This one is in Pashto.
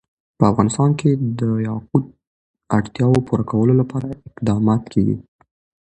په افغانستان کې د یاقوت د اړتیاوو پوره کولو لپاره اقدامات کېږي.